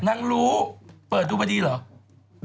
นางรู้เพิ่มดูถึงเหรอ